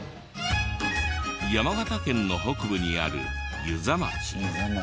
山形県の北部にある遊佐町。